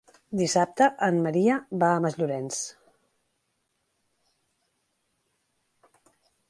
Dissabte en Maria va a Masllorenç.